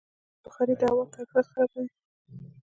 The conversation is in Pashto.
ځینې بخارۍ د هوا کیفیت خرابوي.